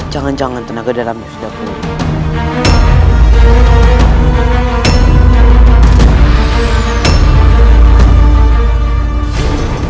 jangan jangan tenaga darahmu sudah pulih